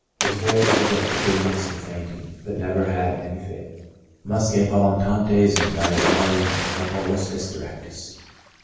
Is very subject to giddiness and fainting, but never had any fit : muscae volitantes and tinnitus aurium, no bolus hystericus.